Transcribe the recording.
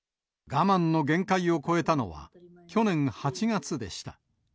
我慢の限界を超えたのは、去年８月でした。